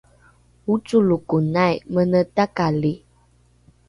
ocolokonai mene takali